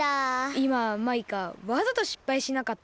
いまマイカわざとしっぱいしなかった？